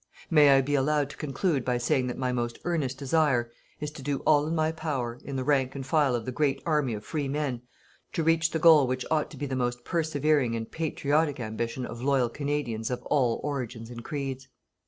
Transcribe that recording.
May I be allowed to conclude by saying that my most earnest desire is to do all in my power, in the rank and file of the great army of free men, to reach the goal which ought to be the most persevering and patriotic ambition of loyal Canadians of all origins and creeds.